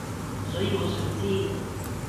所以我想知